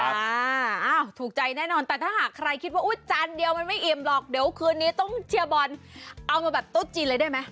อ้าวถูกใจแน่นอนแต่ถ้าหากใครคิดว่าอุ๊ยจานเดียวมันไม่อิ่มหรอกเดี๋ยวคืนนี้ต้องเชียร์บอลเอามาแบบโต๊ะจีนเลยได้ไหม